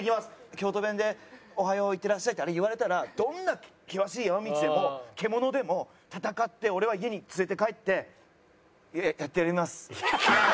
京都弁で「おはよう。いってらっしゃい」ってあれ言われたらどんな険しい山道でも獣でも戦って俺は家に連れて帰ってやってやります。